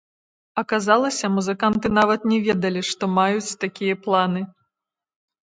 Аказалася, музыканты нават не ведалі, што маюць такія планы.